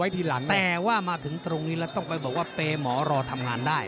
แต่ว่ามาถึงตรงนี้แล้วต้องไปบอกว่าเปย์หมอรอทำงานได้